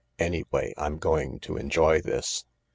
Anyway, I'm going to enjoy this.